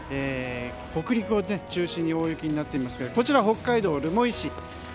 北陸を中心に大雪になってますがこちら、北海道留萌市。